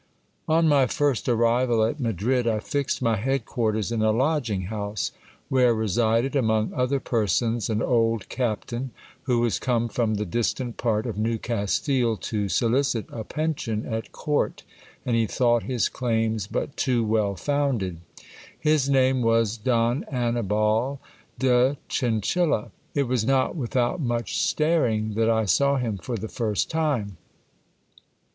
On my first arrival at Madrid, I fixed my head quarters in a lodging house, where resided, among other persons, an old captain, who was come from the distant part of New Castile, to solicit a pension at court, and he thought his claims but too well founded. His name was Don Annibal de Chinchilla. It was not without much staring that I saw him for the first time.